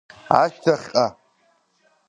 Ашьҭахьҟа…